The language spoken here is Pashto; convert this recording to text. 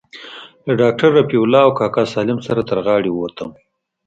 له ډاکتر رفيع الله او کاکا سالم سره تر غاړې ووتم.